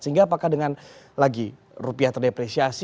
sehingga apakah dengan lagi rupiah terdepresiasi